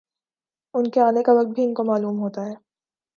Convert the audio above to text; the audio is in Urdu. ان کے آنے کا وقت بھی ان کو معلوم ہوتا ہے